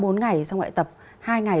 ba bốn ngày xong lại tập hai ngày